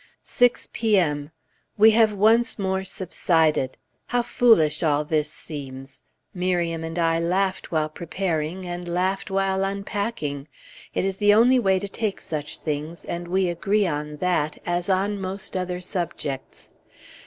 6 P.M. We have once more subsided; how foolish all this seems! Miriam and I laughed while preparing, and laughed while unpacking; it is the only way to take such things, and we agree on that, as on most other subjects.